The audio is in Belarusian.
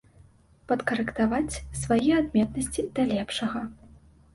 Падкарэктаваць свае адметнасці да лепшага.